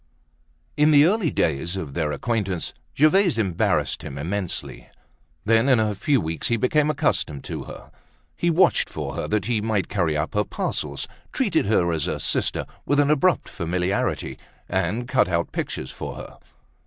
In the early days of their acquaintance, Gervaise embarrassed him immensely. Then in a few weeks he became accustomed to her. He watched for her that he might carry up her parcels, treated her as a sister, with an abrupt familiarity, and cut out pictures for her.